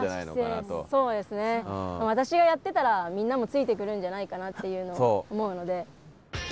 私がやってたらみんなもついてくるんじゃないかなっていうのを思うので。